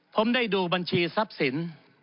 ผมได้ดูบัญชีทรัพย์สิน